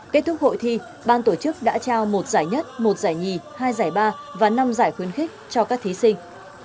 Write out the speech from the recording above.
kết thúc hội thi ban tổ chức đã trao một giải nhất một giải nhì hai giải ba và năm giải khuyến khích cho các thí sinh